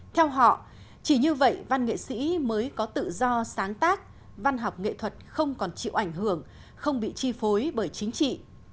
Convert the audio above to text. theo họ chỉ như vậy văn nghệ sĩ mới có tự do sáng tác văn học nghệ thuật không còn chịu ảnh hưởng không bị chi phối bởi chính trị